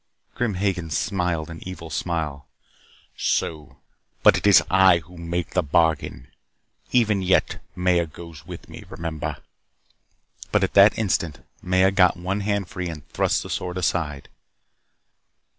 Grim Hagen smiled an evil smile. "So. But it is I who make the bargain. Even yet. Maya goes with me. Remember!" But at that instant Maya got one hand free and thrust the sword aside.